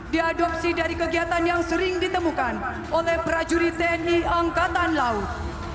diadopsi dari kegiatan yang sering ditemukan oleh prajurit tni angkatan laut